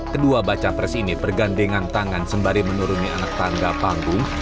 kedua baca pres ini bergandengan tangan sembari menuruni anak tangga panggung